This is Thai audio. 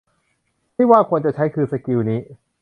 ที่ว่าควรจะใช้ คือสกิลนี้